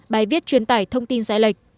bài viết truyền tải thông tin giải lệch